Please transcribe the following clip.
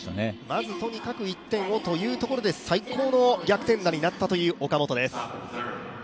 まずとにかく１点をというところで最高の逆転打になったという岡本です。